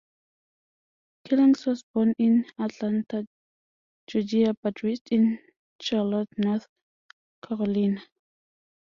Killings was born in Atlanta, Georgia but raised in Charlotte, North Carolina.